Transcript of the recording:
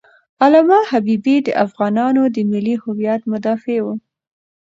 علامه حبیبي د افغانانو د ملي هویت مدافع و.